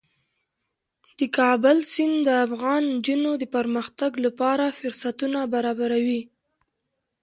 د کابل سیند د افغان نجونو د پرمختګ لپاره فرصتونه برابروي.